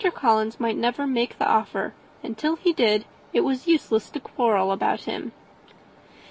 Collins might never make the offer, and, till he did, it was useless to quarrel about him.